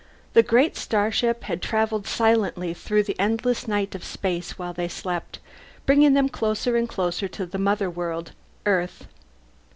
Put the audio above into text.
The great ship had travelled silently through the endless night of space while they slept, bringing them closer and closer to the mother world, Earth.